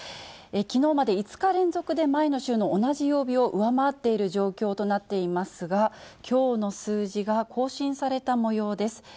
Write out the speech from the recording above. きのうまで５日連続で、前の週の同じ曜日を上回っている状況となっていますが、きょうの数字が更新されたもようです。